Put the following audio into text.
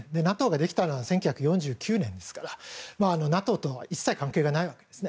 ＮＡＴＯができたのは１９４９年ですからＮＡＴＯとは一切、関係がないわけです。